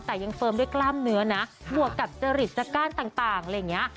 แต่ยังเฟิร์มด้วยกล้ามเนื้อนะบวกกับจริตจากก้านต่างอะไรอย่างนี้